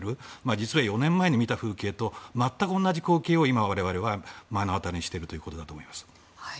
実は、４年前に見た風景と全く同じ光景を今、我々は目の当たりにしているということだと思います。